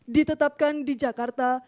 ditetapkan di jakarta